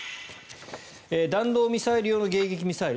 弾道ミサイル用の迎撃ミサイル